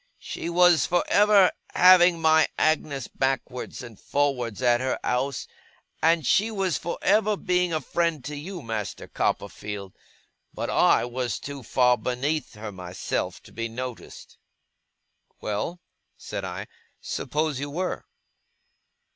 She was for ever having my Agnes backwards and forwards at her ouse, and she was for ever being a friend to you, Master Copperfield; but I was too far beneath her, myself, to be noticed.' 'Well?' said I; 'suppose you were!